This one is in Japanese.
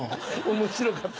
面白かった。